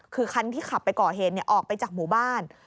คือคันที่ขับไปก่อเหตุออกไปจากหมู่บ้าน